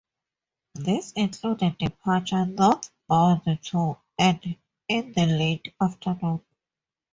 This include a departure northbound to and in the late afternoon.